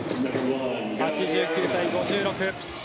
８９対５６。